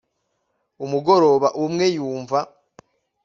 Umugoroba umwe nyumva